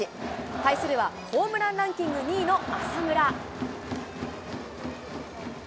対するは、ホームランランキング２位の浅村。